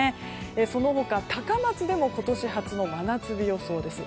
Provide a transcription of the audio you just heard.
その他、高松でも今年初の真夏日予想です。